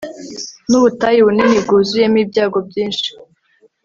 Nubutayu bunini bwuzuyemo ibyago byinshi